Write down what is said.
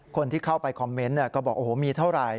คนที่เข้าไปคอมเมนต์ก็บอกโอ้โหมีเท่าไหร่